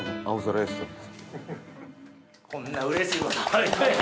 こんなうれしいこと。